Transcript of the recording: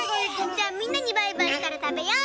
じゃあみんなにバイバイしたらたべよう！